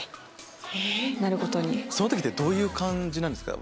その時どういう感じなんですか？